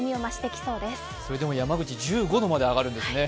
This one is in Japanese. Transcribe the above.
それでも山口１５度まで上がるんですね。